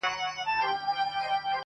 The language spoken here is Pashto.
که ګوربت سي زموږ پاچا موږ یو بېغمه-